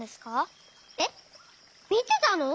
えっみてたの？